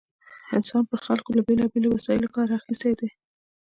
انسان پر خلکو له بېلا بېلو وسایلو کار اخیستی دی.